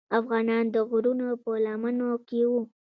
افغانان د غرونو په لمنو کې وو.